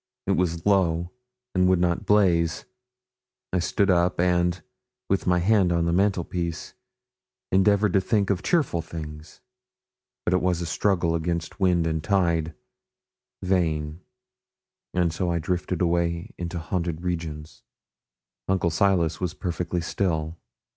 It was low, and would not blaze. I stood up, and, with my hand on the mantelpiece, endeavoured to think of cheerful things. But it was a struggle against wind and tide vain; and so I drifted away into haunted regions. Uncle Silas was perfectly still.